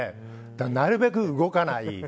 だから、なるべく動かない。